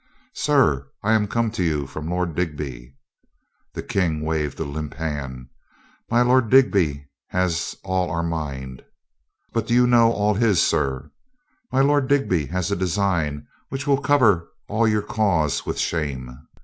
"Sir, I am come to you from my Lord Digby —" The King waved a limp hand. "My Lord Digby has all our mind." "But do you know all his, sir? Sir, my Lord Digby has a design which will cover all your cause with shame."